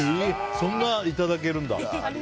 そんなんいただけるんだ。